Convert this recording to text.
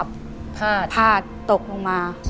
พาดตกลงมา